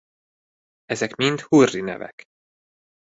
Ezek mind hurri nevek.